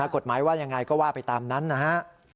กฎหมายว่ายังไงก็ว่าไปตามนั้นนะฮะ